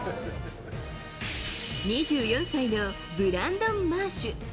２４歳のブランドン・マーシュ。